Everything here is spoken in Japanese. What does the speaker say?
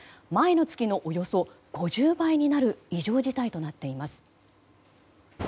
前の月のおよそ５０倍になる異常事態となっています。